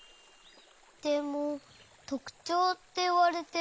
でもとくちょうっていわれても。